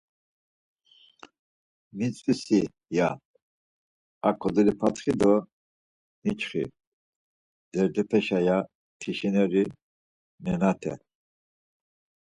“Mitzvi si” ya; “A kodolipatxi do niçxi derdepeşa” ya tişineri nenate.